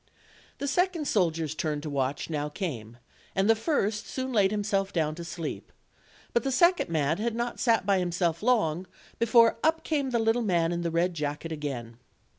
The second soldier's turn to watch now came, and the first soon laid himself down to sleep; but the second man had not sat by himself long before up came the little man in the red jacket again.